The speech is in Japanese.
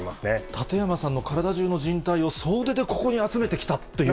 館山さんの体中のじん帯を総出でここに集めてきたということ。